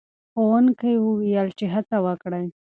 ښوونکی وویل چې هڅه وکړئ.